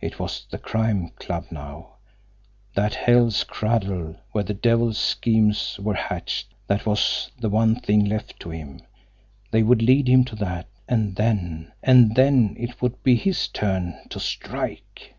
It was the Crime Club now, that hell's cradle where their devil's schemes were hatched, that was the one thing left to him; they would lead him to that, and then and then it would be his turn to STRIKE!